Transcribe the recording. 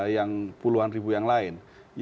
yang puluhan ribu yang lain